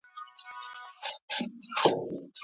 څنګه خلګ له جګړو تښتي؟